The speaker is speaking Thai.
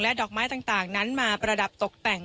ดอกไม้ต่างนั้นมาประดับตกแต่ง